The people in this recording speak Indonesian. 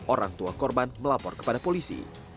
orang tua korban melapor kepada polisi